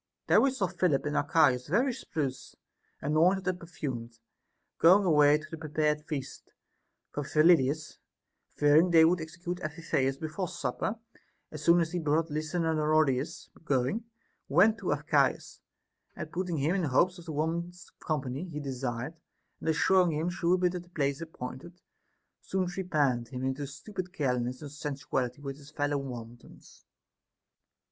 There we saw Philip and Archias very spruce, anointed and perfumed, going away to the prepared feast ; for Phyllidas, fearing they would execute Amphi theus before supper, as soon as he had brought Lysanoridas going, went to Archias, and putting him in hopes of the woman's company he desired, and assuring him she would be at the place appointed, soon trepanned him into stupid carelessness and sensuality with his fellow wantons.